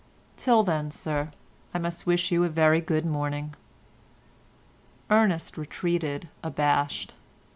Till then, Sir, I must wish you a very good morning." Ernest retreated abashed.